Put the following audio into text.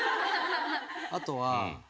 あとは。